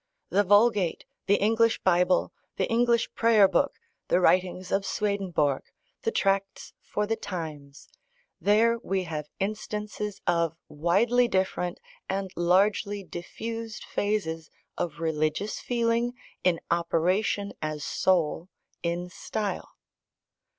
The Vulgate, the English Bible, the English Prayer Book, the writings of Swedenborg, the Tracts for the Times: there, we have instances of widely different and largely diffused phases of religious feeling in operation as soul in style.